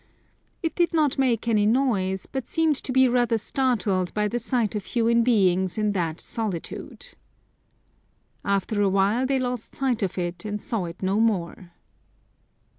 It did not make any noise, but seemed to be rather startled by the sight of human beings in that soH 228 A Mysterious Vale tude. After a while they lost sight of it and saw it no more.